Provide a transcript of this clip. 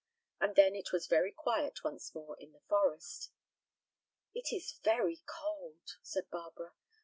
And then it was very quiet once more in the forest. "It is very cold," said Barbara.